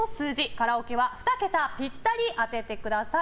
カラオケは２桁ぴったり当ててください。